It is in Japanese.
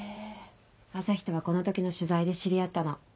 朝陽とはこの時の取材で知り合ったの。